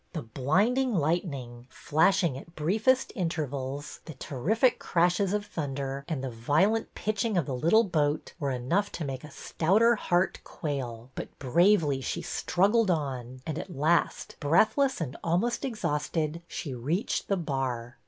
The blinding lightning, flash 156 BETTY BAIRD'S VENTURES ing at briefest intervals, the terrific crashes of thunder, and the violent pitching of the little boat, were enough to make a stouter heart quail; but bravely she struggled on, and at last, breathless and almost exhausted, she reached the bar.